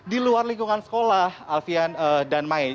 di luar lingkungan sekolah alfian dan mai